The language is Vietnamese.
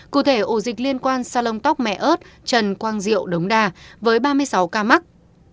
cụ thể ổ dịch liên quan sa lông tóc mẹ ơt trần quang diệu đống đà với ba mươi sáu ca mắc